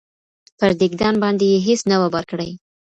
پر دېګدان باندي یې هیڅ نه وه بار کړي